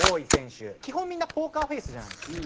基本みんなポーカーフェースじゃないですか。